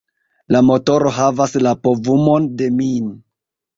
La motoro havas la povumon de min.